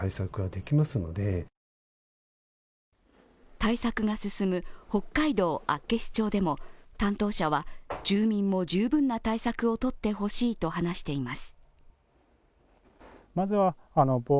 対策が進む北海道厚岸町でも担当者は住民も十分な対策ととってほしいと話しています。